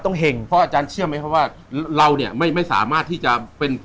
เห็งเพราะอาจารย์เชื่อไหมครับว่าเราเนี่ยไม่สามารถที่จะเป็น